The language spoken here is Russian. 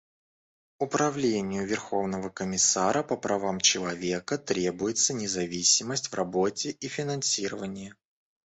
Управлению Верховного комиссара по правам человека требуется независимость в работе и финансирование.